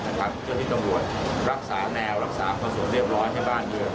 เฉพาะที่ตำรวจรักษาแนวรักษาภาษาเรียบร้อยให้บ้านเบือก